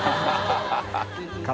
ハハハ